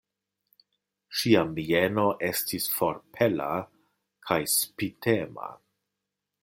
Ŝia mieno estis forpela kaj spitema.